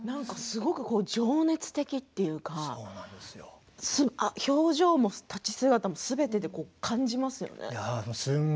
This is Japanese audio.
情熱的というか表情も立ち姿もすべて感じますね。